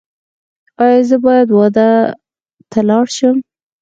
ایا زه باید واده ته لاړ شم؟